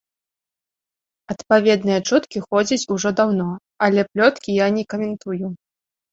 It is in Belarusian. Адпаведныя чуткі ходзяць ужо даўно, але плёткі я не каментую.